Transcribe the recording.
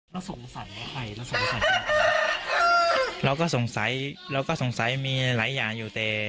แล้วสงสัยกับใครแล้วสงสัยกับใครเราก็สงสัยเราก็สงสัยมีหลายอย่างอยู่แต่